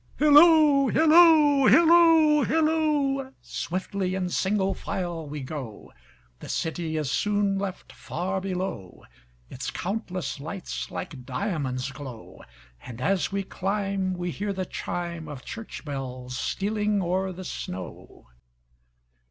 Hilloo, hilloo, hilloo, hilloo! Swiftly in single file we go, The city is soon left far below, Its countless lights like diamonds glow; And as we climb we hear the chimeOf church bells stealing o'er the snow.